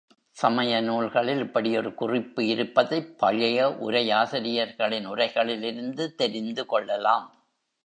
சமய நூல்களில் இப்படி ஒரு குறிப்பு இருப்பதைப் பழைய உரையாசிரியர்களின் உரைகளிலிருந்து தெரிந்து கொள்ளலாம்.